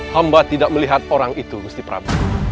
hamba tidak melihat orang itu gusti prabu